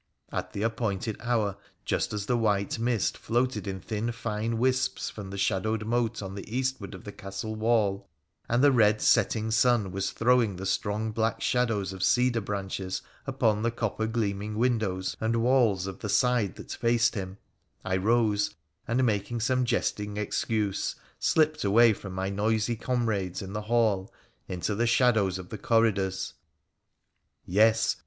At the appointed hour, just as the white mist floated in thin fine wisps from the shadowed moat on the eastward of the castle wall, and the red setting sun was throw ing the strong black shadows of cedar branches upon the copper gleaming windows and walls of the side that faced him, I rose, and, making some jesting excuse, slipped away from my noisy comrades in the hall into the shadows of the corridors. Yes